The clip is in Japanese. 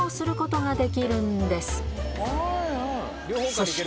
そして